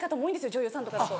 女優さんとかだと。